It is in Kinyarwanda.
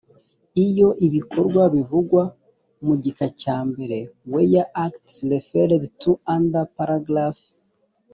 iyo ibikorwa bivugwa mu gika cya mbere where acts referred to under paragraph